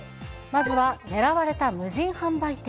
まずは狙われた無人販売店。